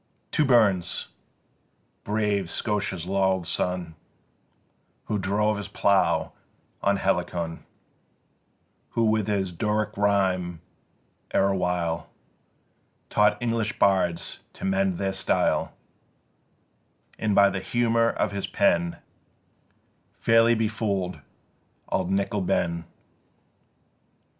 To Burns! brave Scotia's laurel'd son Who drove his plough on Helicon Who with his Doric rhyme erewhile Taught English bards to mend their style And by the humour of his pen Fairly befool'd auld Nickie ben